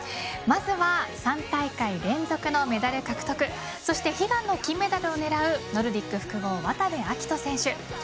まずは３大会連続のメダル獲得そして悲願の金メダルを狙うノルディック複合、渡部暁斗選手